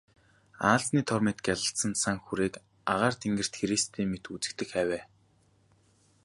Аалзны тор мэт гялалзсан цан хүүрэг агаар тэнгэрт хэрээстэй мэт үзэгдэх авай.